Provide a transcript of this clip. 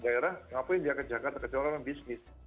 daerah ngapain dia ke jakarta ke jawa dengan bisnis